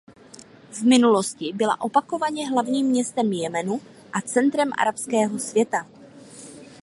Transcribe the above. V minulosti bylo opakovaně hlavním městem Jemenu a centrem arabského světa.